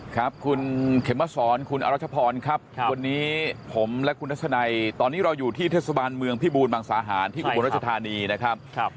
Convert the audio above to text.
ครับคุณเข็มมาสอนคุณอรัชพรครับวันนี้ผมและคุณทัศนัยตอนนี้เราอยู่ที่เทศบาลเมืองพิบูรมังสาหารที่อุบลรัชธานีนะครับ